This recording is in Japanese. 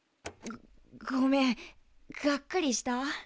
ごめんがっかりした？